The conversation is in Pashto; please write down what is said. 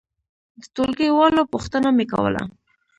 د ټولګي والو پوښتنه مې کوله.